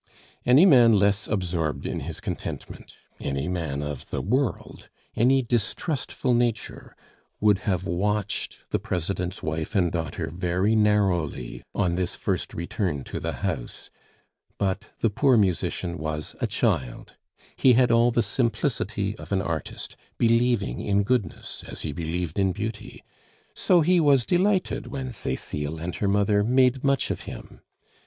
Any man less absorbed in his contentment, any man of the world, any distrustful nature would have watched the President's wife and daughter very narrowly on this first return to the house. But the poor musician was a child, he had all the simplicity of an artist, believing in goodness as he believed in beauty; so he was delighted when Cecile and her mother made much of him.